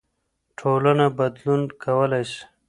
ټولنه بدلون کولای سي.